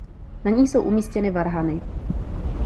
Na ní jsou umístěny varhany.